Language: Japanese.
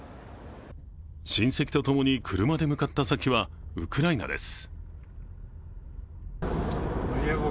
親戚とともに車で向かった先はウクライナです。